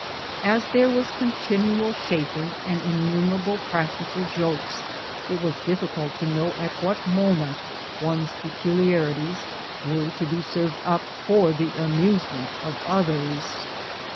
As there was continual chaffing and innumerable practical jokes, it was difficult to know at what moment one's peculiarities were to be served up for the amusement of others.